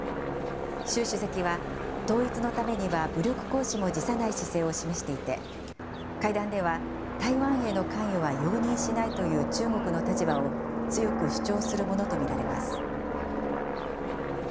習主席は統一のためには武力行使も辞さない姿勢を示していて、会談では、台湾への関与は容認しないという中国の立場を強く主張するものと見られます。